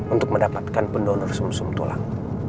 untuk mendapatkan pendonor sum sum tulang